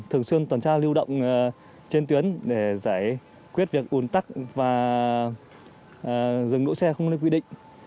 thường xuyên tuần tra lưu động trên tuyến để giải quyết việc uốn tắc và dừng nỗ xe không lưu quy định